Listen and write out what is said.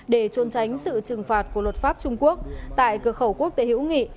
để trôn tránh sự trừng phạt của luật pháp trung quốc tại cửa khẩu quốc tế hữu nghị